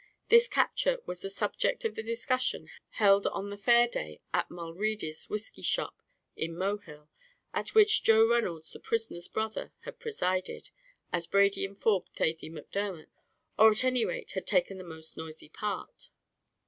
This capture was the subject of the discussion held on the fair day at Mulready's whiskey shop in Mohill, at which Joe Reynolds the prisoner's brother had presided, as Brady informed Thady Macdermot, or at any rate had taken the most noisy part.